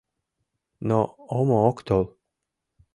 Но омо ок тол.